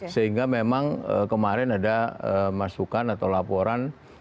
sehingga memang kemarin ada masukan atau laporan